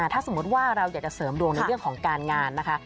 ถ้าสมมุติว่าเราอยากจะเสริมดวงในเรื่องของการงานนะคะ